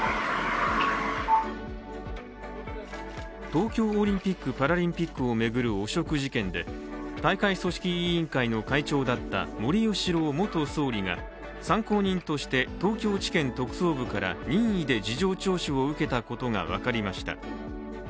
東京オリンピック・パラリンピックを巡る汚職事件で大会組織委員会の会長だった森喜朗元総理が参考人として、東京地検特捜部から任意で事情聴取を受けたことが分かりました。